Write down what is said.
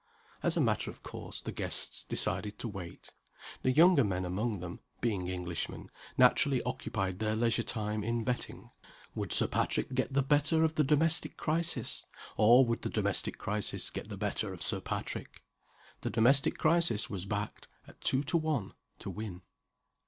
As a matter of course, the guests decided to wait. The younger men among them (being Englishmen) naturally occupied their leisure time in betting. Would Sir Patrick get the better of the domestic crisis? or would the domestic crisis get the better of Sir Patrick? The domestic crisis was backed, at two to one, to win.